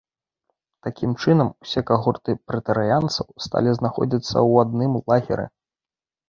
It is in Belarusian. Такім чынам усе кагорты прэтарыянцаў сталі знаходзіцца ў адным лагеры.